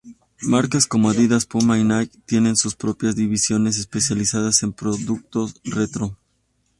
Marcas como Adidas, Puma y Nike tienen sus propias divisiones especializadas en productos "retro".